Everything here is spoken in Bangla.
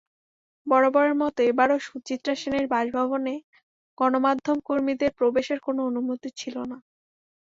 বরাবরের মতো এবারও সুচিত্রা সেনের বাসভবনে গণমাধ্যমকর্মীদের প্রবেশের কোনো অনুমতি ছিল না।